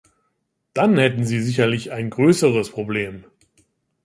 Dann hätten Sie sicherlich ein größeres Problem.